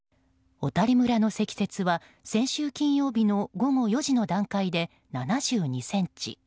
小谷村の積雪は先週金曜日の午後４時の段階で７２ｃｍ。